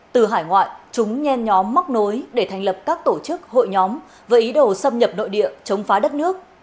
từ hải ngoại chúng nhen nhóm móc nối để thành lập các tổ chức hội nhóm với ý đồ xâm nhập nội địa chống phá đất nước